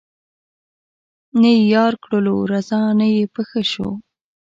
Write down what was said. نه یې یار کړلو رضا نه یې په ښه شو